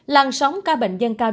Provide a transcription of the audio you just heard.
làn sóng ca bệnh dân cao